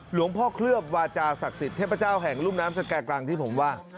หลวงพ่อเคลือบวาจาศักดิ์สิทธิเทพเจ้าแห่งรุ่มน้ำสแก่กรังที่ผมว่า